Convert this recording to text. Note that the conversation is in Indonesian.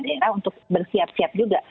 daerah untuk bersiap siap juga